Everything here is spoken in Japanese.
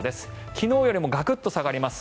昨日よりガクッと下がります。